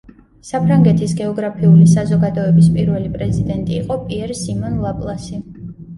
საფრანგეთის გეოგრაფიული საზოგადოების პირველი პრეზიდენტი იყო პიერ სიმონ ლაპლასი.